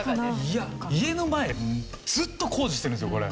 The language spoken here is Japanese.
いや家の前ずっと工事してるんですよこれ。